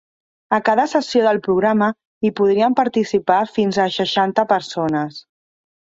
A cada sessió del programa hi podrien participar fins a seixanta persones.